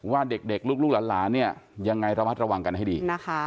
ว่าเด็กลูกหลานเนี่ยยังไงระมัดระวังกันให้ดีนะคะ